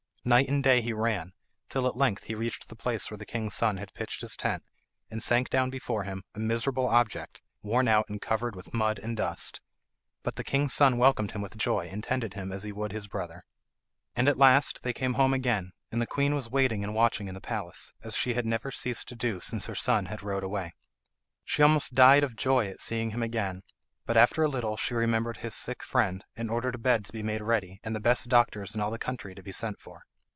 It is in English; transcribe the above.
Night and day he ran, till at length he reached the place where the king's son had pitched his tent, and sank down before him, a miserable object, worn out and covered with mud and dust. But the king's son welcomed him with joy, and tended him as he would his brother. And at last they came home again, and the queen was waiting and watching in the palace, as she had never ceased to do since her son had rode away. She almost died of joy at seeing him again, but after a little she remembered his sick friend, and ordered a bed to be made ready and the best doctors in all the country to be sent for.